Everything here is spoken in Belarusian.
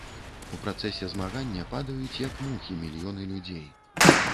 У працэсе змагання падаюць, як мухі, мільёны людзей.